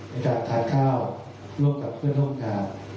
ในการทานข้าวร่วมกับเพื่อนห้องการ